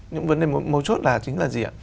những vấn đề mấu chốt là chính là gì ạ